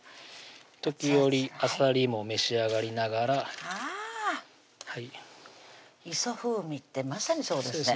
時折あさりも召し上がりながらあぁ「磯風味」ってまさにそうですね